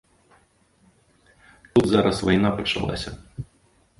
Тут зараз вайна пачалася.